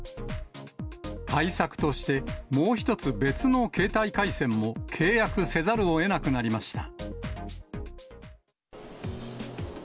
対策として、もう一つ別の携帯回線も契約せざるをえなくなりました。